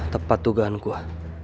tepat dugaan gua